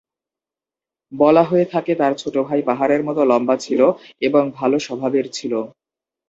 বলা হয়ে থাকে তার ছোট ভাই পাহাড়ের মত লম্বা ছিল এবং ভাল স্বভাবের ছিল।